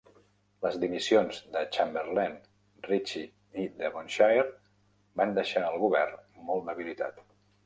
Les dimissions de Chamberlain, Ritchie i Devonshire van deixar el govern molt debilitat.